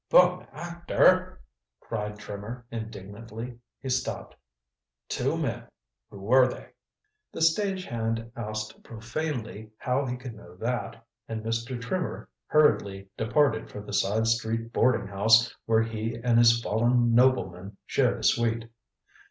"Bum actor!" cried Trimmer indignantly. He stopped. "Two men who were they?" The stage hand asked profanely how he could know that, and Mr. Trimmer hurriedly departed for the side street boarding house where he and his fallen nobleman shared a suite.